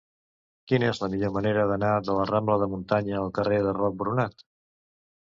Quina és la millor manera d'anar de la rambla de la Muntanya al carrer de Roc Boronat?